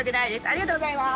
ありがとうございます。